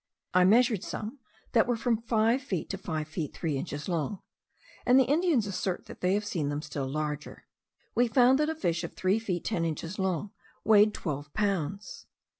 I measured some that were from five feet to five feet three inches long; and the Indians assert that they have seen them still larger. We found that a fish of three feet ten inches long weighed twelve pounds.